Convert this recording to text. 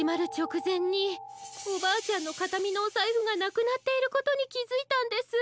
くぜんにおばあちゃんのかたみのおサイフがなくなっていることにきづいたんです。